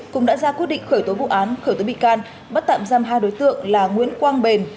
cũng đã ra quyết định khởi tố vụ án khởi tố bị can bắt tạm giam hai đối tượng là nguyễn quang bền